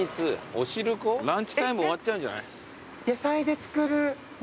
ランチタイム終わっちゃうんじゃない？